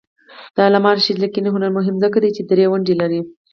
د علامه رشاد لیکنی هنر مهم دی ځکه چې دري ته ونډه لري.